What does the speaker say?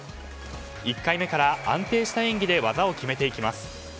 １回目から安定した演技で技を決めていきます。